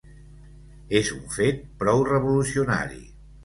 És un fet prou revolucionari.